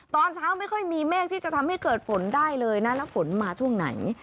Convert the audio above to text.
ตอนเช้าไม่ค่อยมีเมฆที่จะทำให้เกิดฝนได้เลยนะแล้วฝนมาช่วงไหน